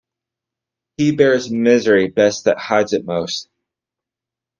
He bears misery best that hides it most.